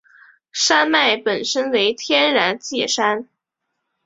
山脉本身为天然界山。